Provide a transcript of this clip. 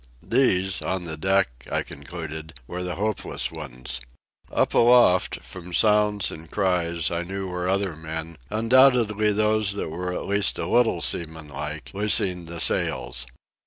These, on the deck, I concluded, were the hopeless ones. Up aloft, from sounds and cries, I knew were other men, undoubtedly those who were at least a little seaman like, loosing the sails.